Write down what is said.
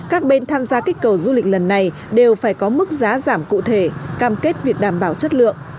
các bên tham gia kích cầu du lịch lần này đều phải có mức giá giảm cụ thể cam kết việc đảm bảo chất lượng